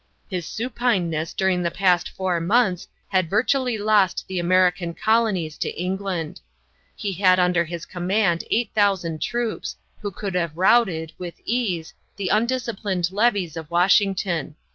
His supineness during the past four months had virtually lost the American colonies to England. He had under his command 8000 troops, who could have routed, with ease, the undisciplined levies of Washington.